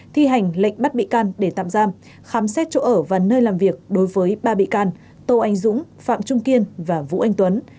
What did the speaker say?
thi hành lệnh bắt bị can để tạm giam khám xét chỗ ở và nơi làm việc đối với ba bị can tô anh dũng phạm trung kiên và vũ anh tuấn